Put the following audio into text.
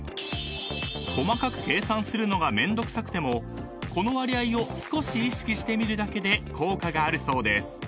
［細かく計算するのがめんどくさくてもこの割合を少し意識してみるだけで効果があるそうです］